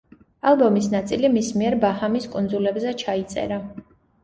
ალბომის ნაწილი მის მიერ ბაჰამის კუნძულებზე ჩაიწერა.